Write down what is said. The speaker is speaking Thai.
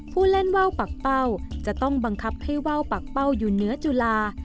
ผู้เล่นว่าวปากเป้าจะต้องบังคับให้ว่าวปากเป้าอยู่เหนือจุฬา